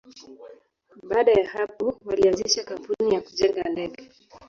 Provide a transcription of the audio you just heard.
Baada ya hapo, walianzisha kampuni ya kujenga ndege.